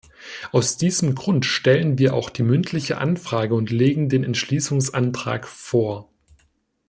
Aus diesem Grund stellen wir auch die mündliche Anfrage und legen den Entschließungsantrag vor.